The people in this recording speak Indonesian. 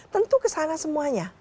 tentu kesana semuanya